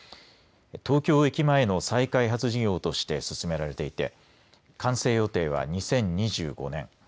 東京駅前の再開発事業として進められていて完成予定は２０２５年。